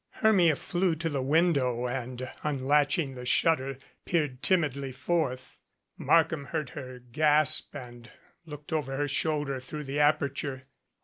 Hermia flew to the window and, unlatching the shut ter, peered timidly forth. Markham heard her gasp and looked over her shoulder through the aperture.